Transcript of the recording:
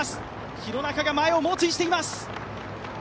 廣中が前を猛追しています。